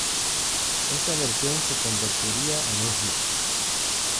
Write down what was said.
Esta versión se convertiría en un hit.